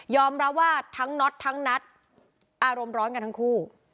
รับว่าทั้งน็อตทั้งนัทอารมณ์ร้อนกันทั้งคู่